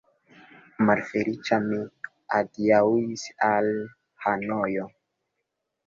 Malfeliĉa mi adiaŭis al Hanojo.